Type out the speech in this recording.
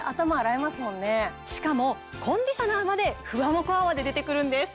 しかもコンディショナーまでふわもこ泡で出てくるんです。